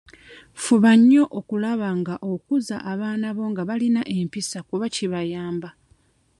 Fuba nnyo okulaba nga okuza abaana bo nga balina empisa kuba kibayamba.